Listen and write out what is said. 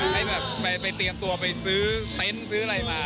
ให้แบบไปเตรียมตัวไปซื้อเต็นต์ซื้ออะไรมา